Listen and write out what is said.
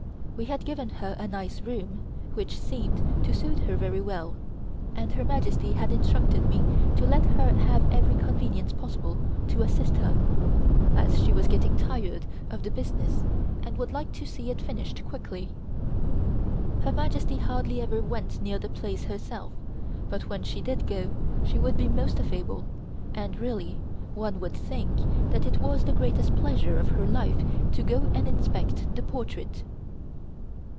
We had given her a nice room, which seemed to suit her very well, and Her Majesty had instructed me to let her have every convenience possible to assist her, as she was getting tired of the business and would like to see it finished quickly. Her Majesty hardly ever went near the place herself, but when she did go, she would be most affable and, really, one would think that it was the greatest pleasure of her life to go and inspect the portrait.